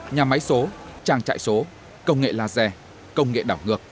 nhà máy số trang trại số công nghệ laser công nghệ đảo ngược